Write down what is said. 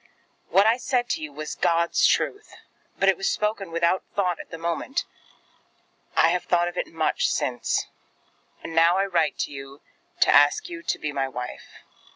What I said to you was God's truth; but it was spoken without thought at the moment. I have thought of it much since; and now I write to ask you to be my wife.